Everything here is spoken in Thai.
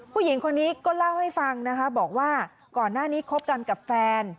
ผู้หญิงคนนี้ก็เล่าให้ฟังนะคะบอกว่าก่อนหน้านี้คบกันกับแฟน